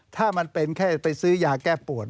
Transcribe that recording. ถ้ามันเป็นแค่ไปซื้อยาแก้ปวด